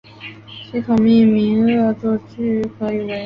系统命名法恶作剧可以为